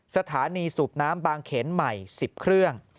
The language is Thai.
สถานีสูบน้ำบางเขนใหม่๑๐เครื่อง